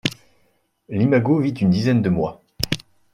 L'imago vit une dizaine de mois.